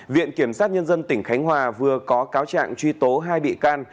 viện kiểm sát nhân dân tỉnh khánh hòa vừa có cáo trạng truy tố hai bị can